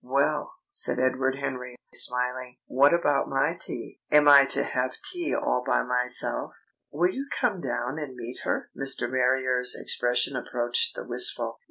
"Well," said Edward Henry, smiling. "What about my tea? Am I to have tea all by myself?" "Will you come down and meet her?" Mr. Marrier's expression approached the wistful.